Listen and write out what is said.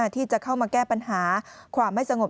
ที่จะเข้ามาแก้ปัญหาความไม่สงบ